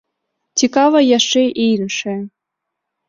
Цікава яшчэ і іншае.